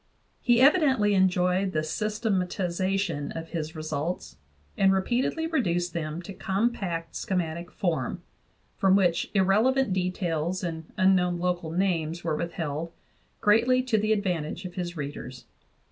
He evidently enjoyed the systematization of his results, and repeat edly reduced them to compact schematic form, from which irrelevant details and unknown local names were withheld, greatly to the advantage of his readers.